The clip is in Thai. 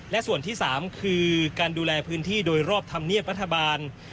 และส่วนที่๓คือการดูแลพื้นที่โดยรอบธรรมเนียบรัฐบาล